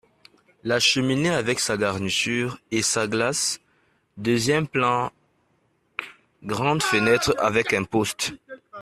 La cheminée avec sa garniture et sa glace ; deuxième plan, grande fenêtre avec imposte.